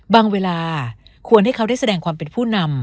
เวลาควรให้เขาได้แสดงความเป็นผู้นำ